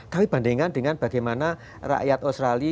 kami bandingkan dengan bagaimana rakyat australia